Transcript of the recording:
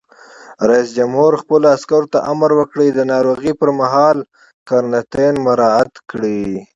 رئیس جمهور خپلو عسکرو ته امر وکړ؛ د ناروغۍ پر مهال قرنطین مراعات کړئ!